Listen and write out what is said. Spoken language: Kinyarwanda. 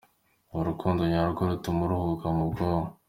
Urukundo Nyarwo rutuma uruhuka mu bwonko:.